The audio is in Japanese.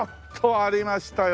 ありましたよ！